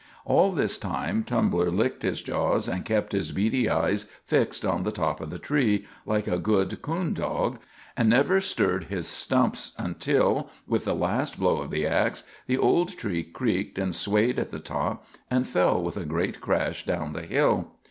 All this time Tumbler licked his jaws, and kept his beady eyes fixed on the top of the tree, like a good coon dog, and never stirred his stumps until, with the last blow of the ax, the old tree creaked, and swayed at the top, and fell with a great crash down the hill.